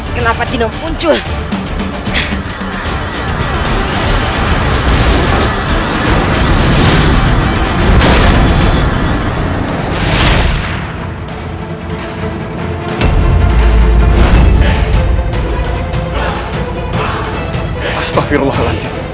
kenapa tino muncul